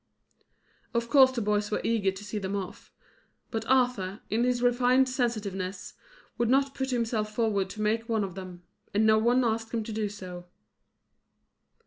Of course the boys were eager to see them off. But Arthur, in his refined sensitiveness, would not put himself forward to make one of them; and no one asked him to do so.